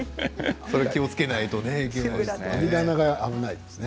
気をつけないといけないですね。